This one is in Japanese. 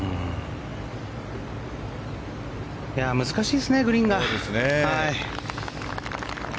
難しいですねグリーンが。